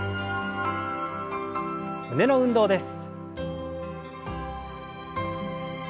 胸の運動です。